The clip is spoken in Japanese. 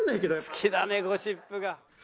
好きだねゴシップが。